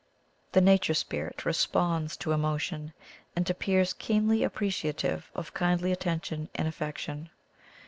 The nature spirit responds to emotion and appears keenly ap preciative of kindly attention and affection.